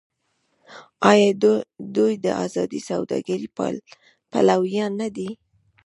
آیا دوی د ازادې سوداګرۍ پلویان نه دي؟